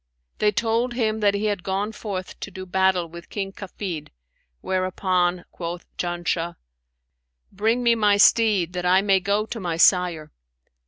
They told him that he had gone forth to do battle with King Kafid, whereupon quoth Janshah, 'Bring me my steed, that I may go to my sire.'